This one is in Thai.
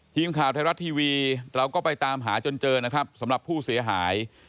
ทีมข่าวไทยรัฐทีวีเราก็ไปตามหาจนเจอนะครับสำหรับผู้เสียหาย